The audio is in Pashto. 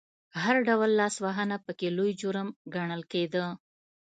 هر ډول لاسوهنه پکې لوی جرم ګڼل کېده.